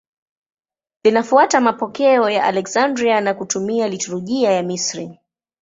Linafuata mapokeo ya Aleksandria na kutumia liturujia ya Misri.